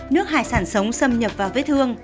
nước hải sản sống xâm nhập và vết thương